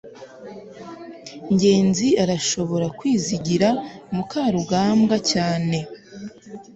ngenzi arashobora kwizigira mukarugambwa cyane